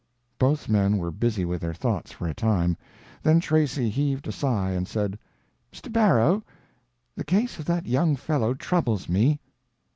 Both men were busy with their thoughts for a time, then Tracy heaved a sigh and said, "Mr. Barrow, the case of that young fellow troubles me."